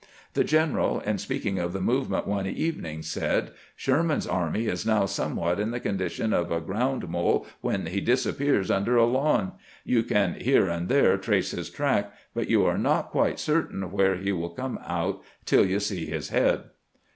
The geheral, in speaking of the movement one evening, said :" Sherman's army is now somewhat in the condition of a ground mole when he disappears under a lawn. You can here and COEEESPONBENCE WITH GENERAL THOMAS ' 333 there trace his track, but you are not quite certain where he will come out till you see his head."